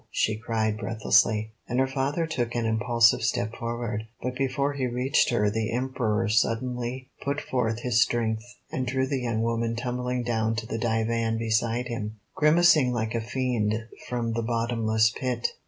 she cried breathlessly, and her father took an impulsive step forward; but before he reached her the Emperor suddenly put forth his strength and drew the young woman tumbling down to the divan beside him, grimacing like a fiend from the bottomless pit.